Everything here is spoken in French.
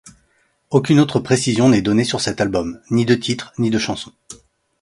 Aucune autre précision n'est donnée sur cet album, ni de titre, ni de chansons.